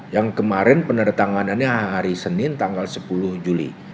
yang kemarin peneretanganannya hari senin tanggal sepuluh juli